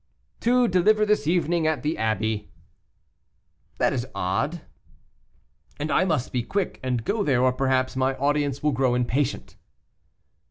"To deliver this evening at the abbey." "That is odd." "And I must be quick and go there, or perhaps my audience will grow impatient."